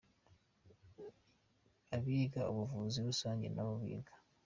abiga ubuvuzi rusange nabo biga.